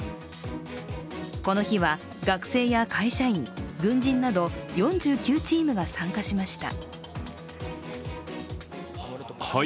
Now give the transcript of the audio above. この日は学生や会社員、軍人など４９チームが参加しました。